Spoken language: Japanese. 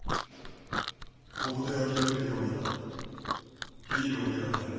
ここで諦めるようならヒーローにはなれない。